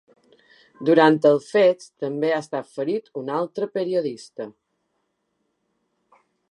Durant els fets també ha estat ferit un altre periodista.